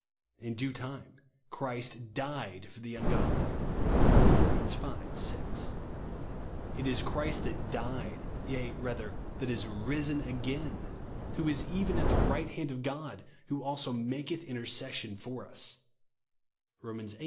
In due time Christ died for the ungodly," (Rom. v. 6). " It is 74 THE PERSON AND WORK Christ that died, yea rather, that is tIslti again, who is even at the right hand of God, Avho also maketh intercession for us,'' (Rom viii.